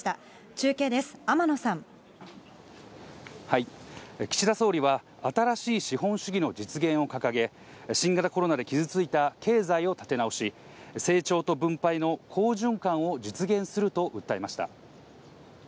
中継です、岸田総理は、新しい資本主義の実現を掲げ、新型コロナで傷ついた経済を立て直し、成長と分配の好循環を実現すると訴えました。